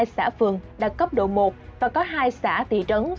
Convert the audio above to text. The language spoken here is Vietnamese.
ba trăm ba mươi hai xã phường đạt cấp độ một và có hai xã thị trấn